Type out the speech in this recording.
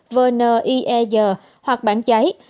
vn ieg hoặc bản giấy